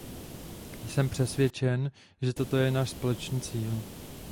Jsem přesvědčen, že toto je náš společný cíl.